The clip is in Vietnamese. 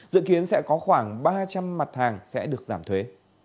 dự kiến sẽ có khoảng ba trăm linh mặt hàng sẽ được giảm thuế